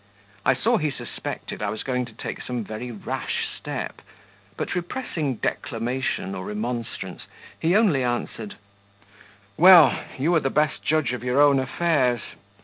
I saw he suspected I was going to take some very rash step; but repressing declamation or remonstrance, he only answered "Well, you are the best judge of your own affairs.